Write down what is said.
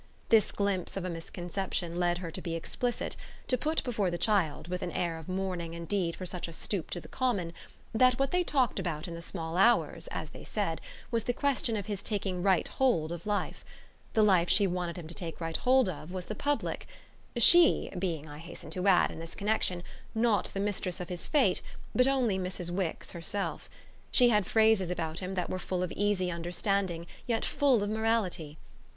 This glimpse of a misconception led her to be explicit to put before the child, with an air of mourning indeed for such a stoop to the common, that what they talked about in the small hours, as they said, was the question of his taking right hold of life. The life she wanted him to take right hold of was the public: "she" being, I hasten to add, in this connexion, not the mistress of his fate, but only Mrs. Wix herself. She had phrases about him that were full of easy understanding, yet full of morality.